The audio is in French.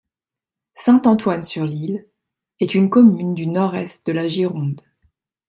Saint-Antoine-sur-l'Isle est une commune du nord-est de la Gironde.